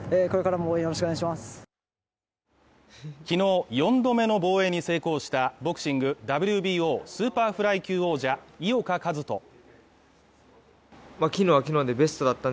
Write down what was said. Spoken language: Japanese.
昨日、４度目の防衛に成功したボクシングＷＢＯスーパーフライ級王者・井岡一翔。